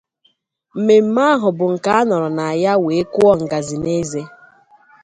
memme ahụ bụ nke a nọrọ na ya wee kụọ nkazị n'eze